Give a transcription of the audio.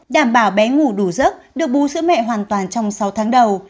đảm bảo bé ngủ đủ giấc được bù sữa mẹ hoàn toàn trong sáu tháng đầu